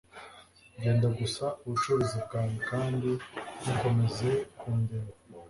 Genda gusa ubucuruzi bwawe kandi ntukomeze kundeba.